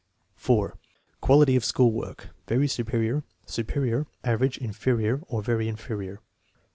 4. Quality of school work (very superior, superior, average, in ferior, or very inferior).